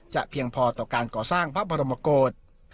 เพียงพอต่อการก่อสร้างพระบรมโกศ